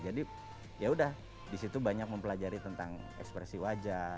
jadi yaudah disitu banyak mempelajari tentang ekspresi wajah